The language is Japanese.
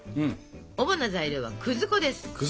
主な材料は粉です。